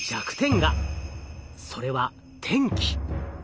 それは天気。